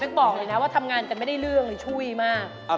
บอกเลยนะว่าทำงานกันไม่ได้เรื่องเลยช่วยมาก